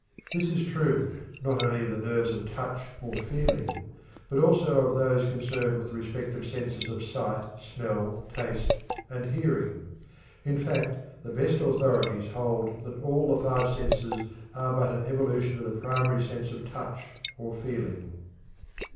This is true not only of the nerves of touch or feeling, but also of those concerned with the respective senses of sight, smell, taste, and hearing. In fact, the best authorities hold that all the five senses are but an evolution of the primary sense of touch or feeling.